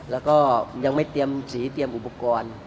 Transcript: แล้วก็ยังไม่เตรียมสีเตรียมอุปกรณ์